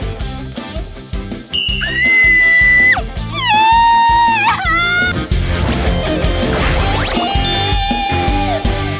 การใส่ขี้เข้าไปในมือของเรานะครับ